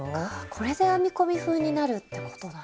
これで編み込み風になるってことなんですね。